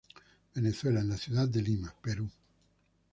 Venezuela, en la ciudad de Lima, Perú.